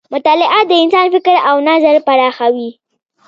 مطالعه د انسان فکر او نظر پراخوي.